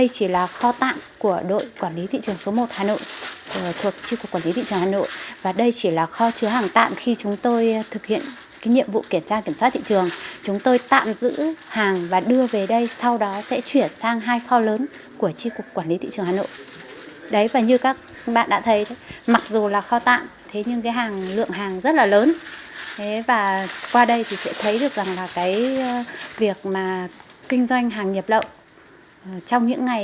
thế và qua đây thì sẽ thấy được rằng là cái việc mà kinh doanh hàng nhập lậu trong những ngày giáp tết nó như thế nào